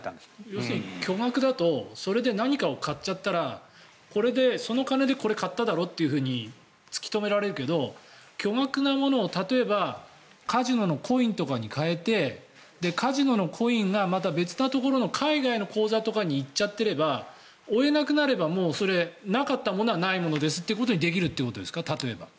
要するに巨額だとそれで何かを買っちゃったらこれで、その金でこれを買っただろというふうに突き止められるけど巨額なものを例えばカジノのコインとかに換えてカジノのコインがまた別のところの海外の口座とかに行っちゃってれば追えなくなればそれはもうなかったものはないものですとできるということですか例えば。